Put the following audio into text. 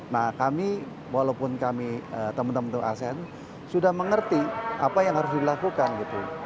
nah kami walaupun kami teman teman asn sudah mengerti apa yang harus dilakukan gitu